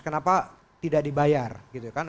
kenapa tidak dibayar gitu kan